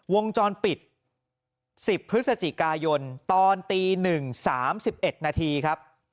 วงจรปิด๑๐พฤศจิกายนตอนตี๑๓๑นาทีครับ